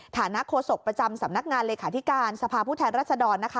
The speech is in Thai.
โฆษกประจำสำนักงานเลขาธิการสภาพผู้แทนรัศดรนะคะ